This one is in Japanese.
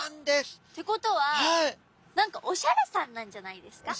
ってことは何かオシャレさんなんじゃないですか？